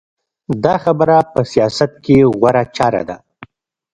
دا خبره په سیاست کې غوره چاره ده.